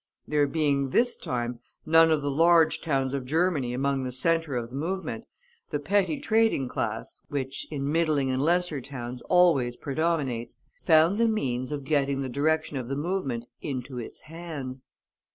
There being, this time, none of the large towns of Germany among the center of the movement, the petty trading class, which in middling and lesser towns always predominates, found the means of getting the direction of the movement into its hands.